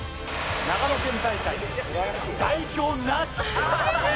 長野県大会代表なし。